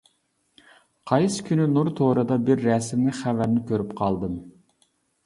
قايسى كۈنى نۇر تورىدا بىر رەسىملىك خەۋەرنى كۆرۈپ قالدىم.